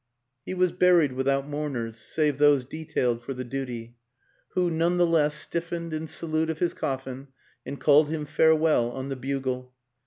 He was buried without mourners, save those detailed for the duty; who, none the less, stiffened in salute of his coffin and called him farewell on the bugle.